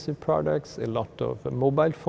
và các bạn biết